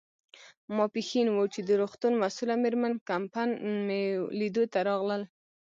ماپیښین و، چې د روغتون مسؤله مېرمن کمپن مې لیدو ته راغلل.